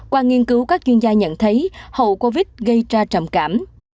qua nghiên cứu các chuyên gia nhận thấy hậu covid một mươi chín gây ra trầm càm